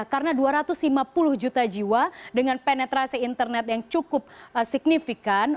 karena dua ratus lima puluh juta jiwa dengan penetrasi internet yang cukup signifikan